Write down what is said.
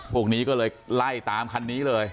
พวกนี้ก็เลยไล่ตามคันนี้เลย